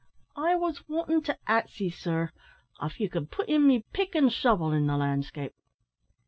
"I wos wantin' to ax ye, sir, av ye could put in me pick and shovel in the lan'scape."